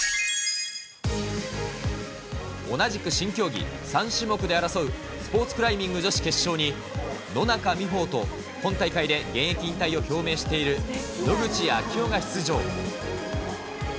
同じく新競技、３種目で争うスポーツクライミング女子決勝に、野中生萌と、今大会で現役引退を表明している野口啓代が出場。